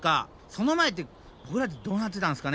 その前ってボクらってどうなってたんですかね？